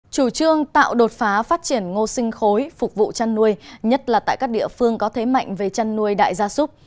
chủ trương tạo đột phá phát triển ngô sinh khối phục vụ chăn nuôi nhất là tại các địa phương có thế mạnh về chăn nuôi đại gia súc